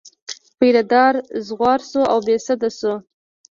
پیره دار غوځار شو او بې سده شو.